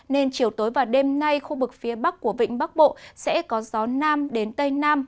nên chiều tối và đêm nay khu vực phía bắc của vịnh bắc bộ sẽ có gió nam đến tây nam